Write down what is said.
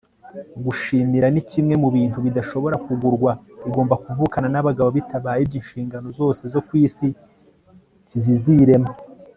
gushimira ni kimwe mu bintu bidashobora kugurwa. igomba kuvukana n'abagabo, bitabaye ibyo inshingano zose zo ku isi ntizizirema